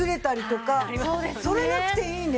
それなくていいね。